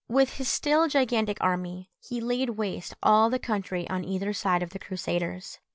With his still gigantic army, he laid waste all the country on either side of the Crusaders.